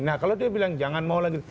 nah kalau dia bilang jangan mau lanjut